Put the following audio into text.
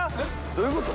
どういうこと？